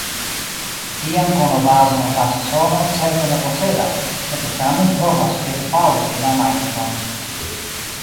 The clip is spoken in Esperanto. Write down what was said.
Tian konobazon Vatsono certe ne posedas, sed tamen provas piedpaŭsi la Majstron.